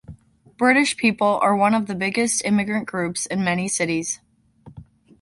British people are one of the biggest immigrant groups in many cities.